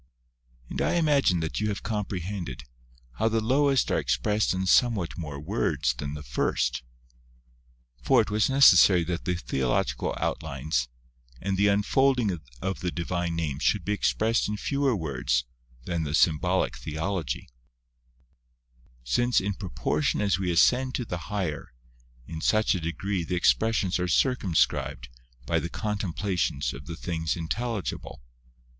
And I imagine that you have comprehended, how the lowest are expressed in some what more words than the first. For, it was necessary that the Theological Outlines, and the unfolding of the Divine Names should be expressed in fewer words than the Symbolic Theology //since, in proportion as we ascend to the higher, in such a degree the ex pressions are circumscribed by the contemplations of the things intelligible.